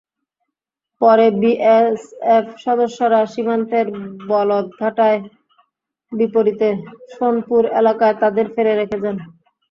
পরে বিএসএফ সদস্যরা সীমান্তের বলদঘাটার বিপরীতে শোনপুর এলাকায় তাঁদের ফেলে রেখে যান।